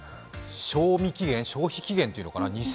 賞味期限、消費期限っていうのかな